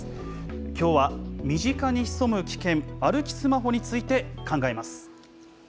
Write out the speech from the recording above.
きょうは、身近に潜む危険、歩きスマホについて考えます。